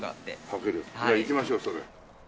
迫力じゃあ行きましょうそれ。